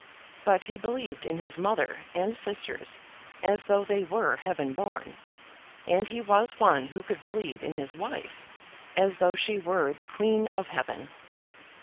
But he believed in his mother and sisters as though they were heaven born; and he was one who could believe in his wife as though she were the queen of heaven.